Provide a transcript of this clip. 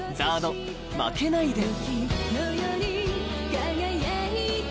「負けないで」